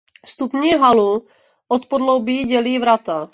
Vstupní halu od podloubí dělí vrata.